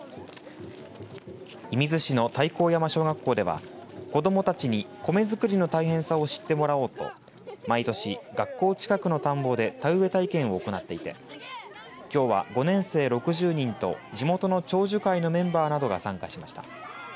射水市の太閤山小学校では子どもたちに米作りの大変さを知ってもらおうと毎年学校近くの田んぼで田植え体験を行っていてきょうは５年生６０人と地元の長寿会のメンバーなどが参加しました。